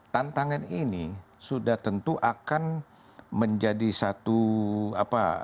tantangan ini sudah tentu akan menjadi satu kepentingan bersama